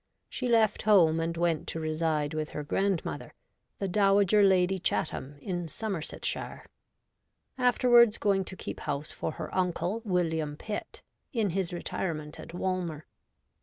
She left home and went to reside with her grandmother, the dowager Lady Chatham, in Somersetshire ; after wards going to keep house for her uncle, William Pitt, in his retirement at Walmer.